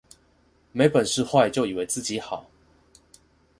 沒本事壞就以為自己好